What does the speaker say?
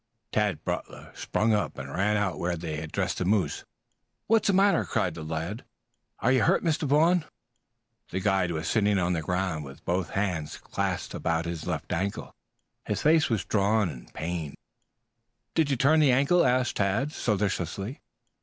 Tad Butler sprang up and ran out where they had dressed the moose. "What is the matter?" cried the lad. "Ah, you're hurt, Mr. Vaughn?" The guide was sitting on the ground with both hands clasped about his left ankle. His face was drawn and pained. "Did you turn the ankle?" asked Tad solicitously.